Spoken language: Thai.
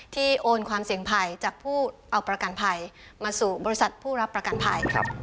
โอนความเสี่ยงภัยจากผู้เอาประกันภัยมาสู่บริษัทผู้รับประกันภัย